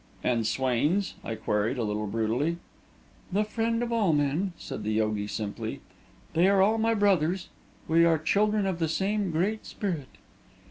"And Swain's?" I queried, a little brutally. "The friend of all men," said the yogi, simply. "They are all my brothers. We are children of the same Great Spirit."